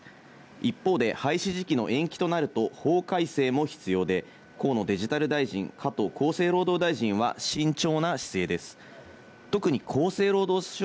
一方で、廃止時期の延期となると法改正も必要で、河野デジタル大臣、加藤厚生労働大臣は慎重な姿勢です。